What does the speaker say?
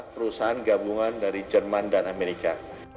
perusahaan gabungan dari jerman dan amerika